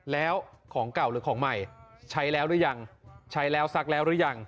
แล้วของเก่าหรือของใหม่ใช้แล้วหรือยังใช้แล้วซักแล้วหรือยัง